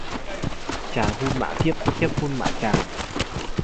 Chàng hun má thiếp, thiếp hun má chàng